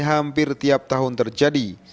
hampir tiap tahun terjadi